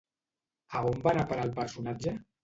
A on va anar a parar el personatge?